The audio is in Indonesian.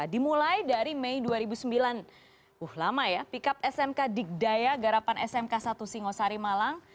dimulai dari mei dua ribu sembilan wah lama ya pikap smk dikdaya garapan smk satu singosari malang